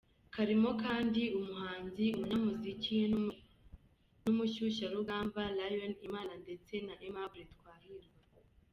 Karimo kandi Umuhanzi, Umunyamuziki n’umushyusharugamba, Lion Imana ndetse na Aimable Twahirwa.